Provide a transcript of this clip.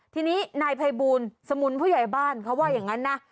ทีนี้นายภัยบูลสมุนผู้ใหญ่บ้านเขาว่าอย่างนั้นนะ